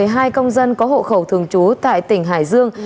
hai công dân có hộ khẩu thường trú tại tỉnh hải dương